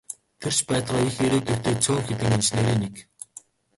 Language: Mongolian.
Тэр ч байтугай их ирээдүйтэй цөөн хэдэн инженерийн нэг.